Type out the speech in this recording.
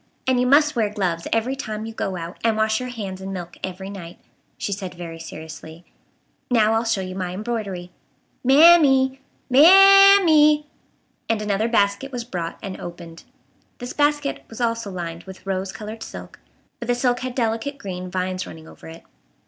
And you must wear gloves every time you go out, and wash your hands in milk every night," she said very seriously. "Now I'll show you my embroidery. Mam m e e! Mam m e e," and another basket was brought and opened. This basket was also lined with rose colored silk, but the silk had delicate green vines running over it.